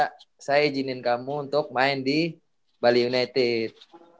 gak apa apa saya izinin kamu untuk main di bali united